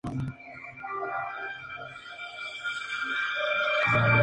Era relativamente fácil diseñar armas confiables para los arsenales.